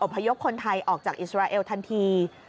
พยพคนไทยออกจากอิสราเอลทันที